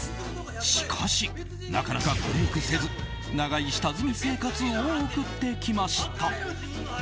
しかし、なかなかブレークせず長い下積み生活を送ってきました。